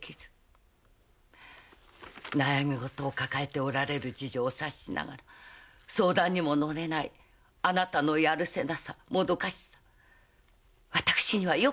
悩みごとを抱えておられる事情を察しながら相談にも乗れないあなたのやるせなさもどかしさ私にはよくわかります。